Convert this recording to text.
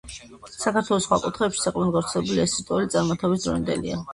საქართველოს სხვა კუთხეებშიც საკმაოდ გავრცელებული ეს რიტუალი წარმართობის დროინდელია.